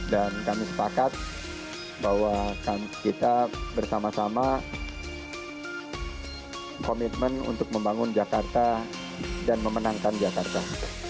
dan kami sepakat bahwa kami bersama sama komitmen untuk membangun jakarta dan memenangkan jakarta